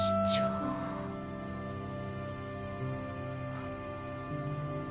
あっ。